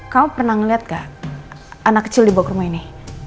kamu pernah melihat gak anak kecil dibawa ke rumah ini